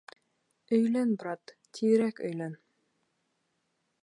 Өйлән, брат, тиҙерәк өйлән.